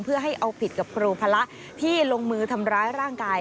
เพื่อให้เอาผิดกับครูพระที่ลงมือทำร้ายร่างกาย